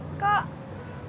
belanjaannya dikit kok